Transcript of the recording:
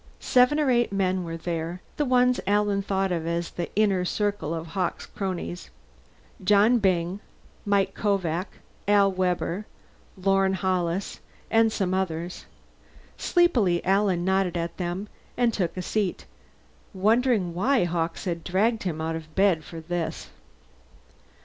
Seven or eight men were there the ones Alan thought of as the inner circle of Hawkes' cronies. Johnny Byng, Mike Kovak, Al Webber, Lorne Hollis, and some others. Sleepily Alan nodded at them and took a seat, wondering why Hawkes had dragged him out of bed for this.